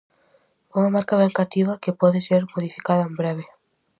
Unha marca ben cativa que pode ser modificada en breve.